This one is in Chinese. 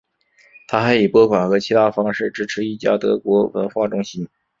他还以拨款和其他方式支持一家德国文化中心。